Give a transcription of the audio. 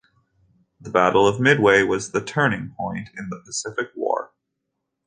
The Battle of Midway was the turning point in the Pacific War.